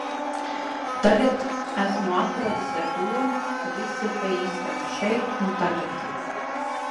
Tagad esmu apradis ar domu, ka viss ir pa īstam, šeit un tagad.